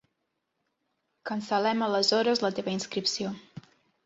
Cancel·lem aleshores la teva inscripció.